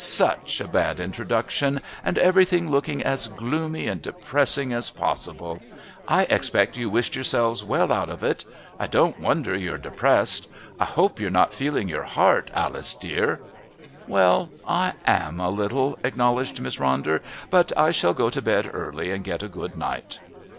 Such a bad introduction, and everything looking as gloomy and depressing as possible. I expect you wished yourselves well out of it. I don't wonder you're depressed. I hope you're not feeling your heart, Alice dear." "Well, I am a little," acknowledged Miss Ronder. "But I shall go to bed early and get a good night."